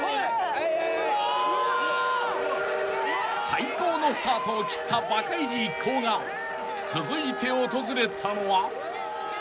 ［最高のスタートを切ったバカイジ一行が続いて訪れたのは］